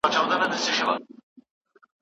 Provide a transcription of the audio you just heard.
شخصیت باید ټیټ نه سي.